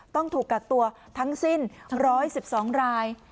ต้องถูกกักตัวทั้งสิ้น๑๑๒ราย